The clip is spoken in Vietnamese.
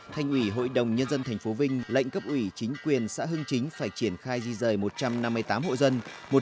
thanh ủy hội đồng nhân dân thành phố vinh lệnh cấp ủy chính quyền xã hưng chính phải triển khai di rời một trăm năm mươi tám hội dân